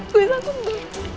gue sanggup rok